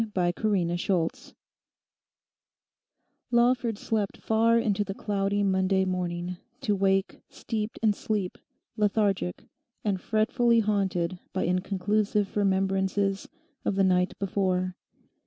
CHAPTER ELEVEN Lawford slept far into the cloudy Monday morning, to wake steeped in sleep, lethargic, and fretfully haunted by inconclusive remembrances of the night before.